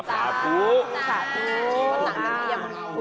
สาธุสาธุสาธุสาธุ